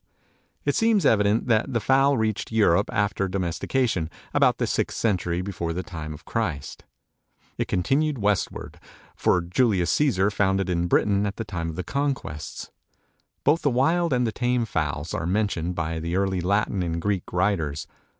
It seems evident that the fowl reached Europe, after domestication, about the sixth century before the time of Christ. It continued westward, for Julius Caesar found it in Britain at the time of his conquests. Both the wild and the tame fowls are mentioned by the early Latin and Greek writers.